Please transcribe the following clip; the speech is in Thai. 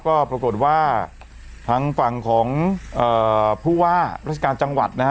ก็ปรากฏว่าทางฝั่งของเอ่อผู้ว่าราชการจังหวัดนะฮะ